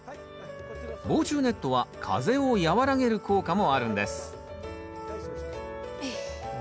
防虫ネットは風を和らげる効果もあるんですよし